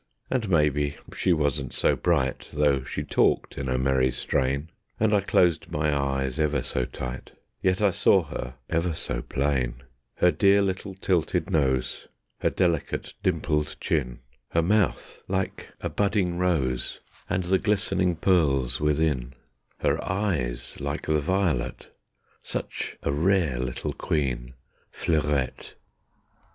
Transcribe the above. And maybe she wasn't so bright, Though she talked in a merry strain, And I closed my eyes ever so tight, Yet I saw her ever so plain: Her dear little tilted nose, Her delicate, dimpled chin, Her mouth like a budding rose, And the glistening pearls within; Her eyes like the violet: Such a rare little queen Fleurette.